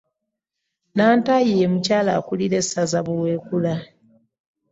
Nantaayi ye mukyala akulira essaza Buweekula.